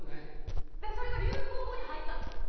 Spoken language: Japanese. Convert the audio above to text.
それが流行語に入ったんですよ。